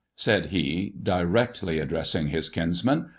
" said he, directly addressing his kinsman.